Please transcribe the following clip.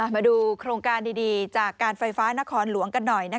มาดูโครงการดีจากการไฟฟ้านครหลวงกันหน่อย